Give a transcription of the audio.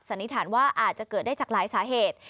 นิษฐานว่าอาจจะเกิดได้จากหลายสาเหตุ